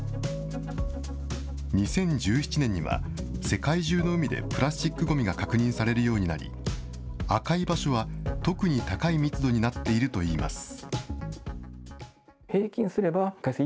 ２０１７年には世界中の海でプラスチックごみが確認されるようになり、赤い場所は特に高い密度になっているといいます。